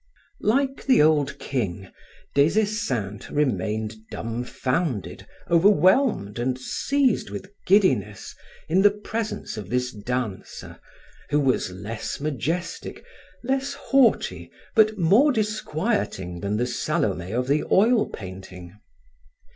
Like the old king, Des Esseintes remained dumbfounded, overwhelmed and seized with giddiness, in the presence of this dancer who was less majestic, less haughty but more disquieting than the Salome of the oil painting.